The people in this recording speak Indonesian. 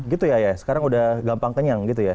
gitu ya ya sekarang udah gampang kenyang gitu ya